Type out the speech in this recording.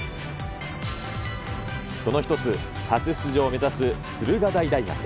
その１つ、初出場を目指す駿河台大学。